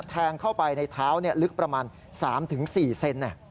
แทงเข้าไปในเท้าลึกประมาณ๓๔เซน